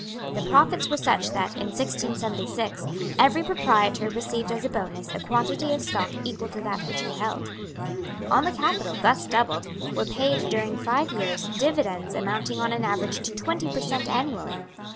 The profits were such that, in 1676, every proprietor received as a bonus a quantity of stock equal to that which he held. On the capital, thus doubled, were paid, during five years, dividends amounting on an average to twenty per cent. annually.